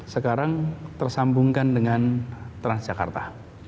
sekarang tersambungkan dengan transjakarta